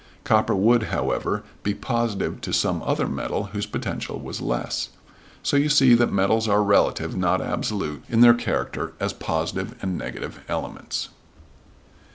Copper would, however, be positive to some other metal whose potential was less. So you see that metals are relative, not absolute, in their character as positive and negative elements.